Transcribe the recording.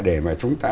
để mà chúng ta